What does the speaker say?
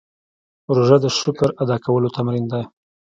روژه د شکر ادا کولو تمرین دی.